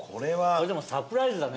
これでもサプライズだね。